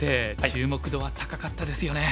注目度は高かったですよね。